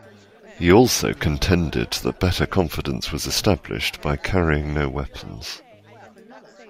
He also contended that better confidence was established by carrying no weapons.